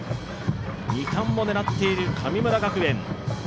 二冠を狙っている神村学園。